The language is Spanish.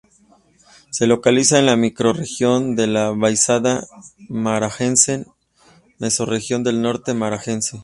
Se localiza en la microrregión de la Baixada Maranhense, mesorregión del Norte Maranhense.